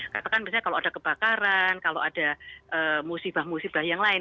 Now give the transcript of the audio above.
katakan misalnya kalau ada kebakaran kalau ada musibah musibah yang lain